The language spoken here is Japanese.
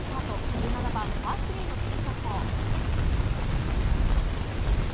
１７番、パー３のティーショット。